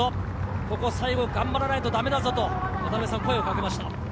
ここ最後頑張らないとだめだぞ！と声をかけました。